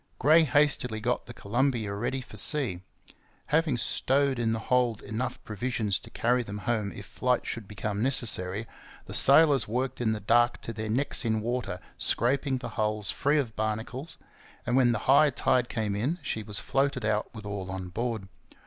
Gray hastily got the Columbia ready for sea. Having stowed in the hold enough provisions to carry them home if flight should become necessary, the sailors worked in the dark to their necks in water scraping the hull free of barnacles, and when the high tide came in, she was floated out with all on board.